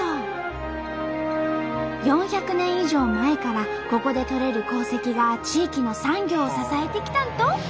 以上前からここで採れる鉱石が地域の産業を支えてきたんと！